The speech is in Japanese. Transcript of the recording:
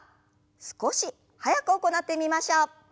少し速く行ってみましょう。